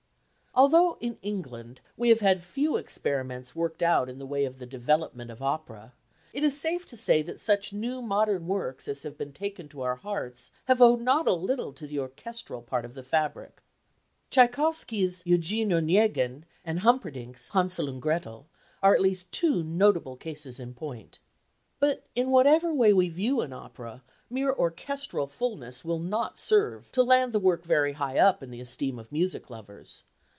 Although in England we have had few experiments worked out in the way of the development of opera, it is safe to say that such new modern works as have been taken to our hearts have owed not a little to the orchestral part of the fabric. Tchaikovsky's Eugen Oniegin and Humperdinck's Hänsel und Gretel are at least two notable cases in point. But in whatever way we view an opera, mere orchestral fulness will not serve to land the work very high up in the esteem of music lovers.